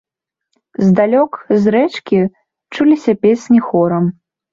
Здалёк, з рэчкі, чуліся песні хорам.